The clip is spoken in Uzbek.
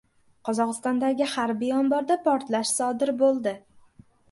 Qozog‘istondagi harbiy omborda portlash sodir bo‘ldi